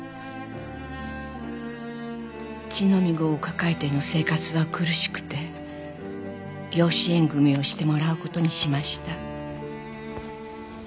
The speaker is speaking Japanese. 乳飲み子を抱えての生活は苦しくて養子縁組をしてもらう事にしました。